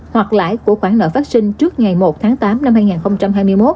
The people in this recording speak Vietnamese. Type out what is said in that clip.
hoặc lãi của khoản nợ phát sinh trước ngày một tháng tám năm hai nghìn hai mươi một